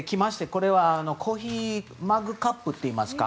これはコーヒーのマグカップといいますか。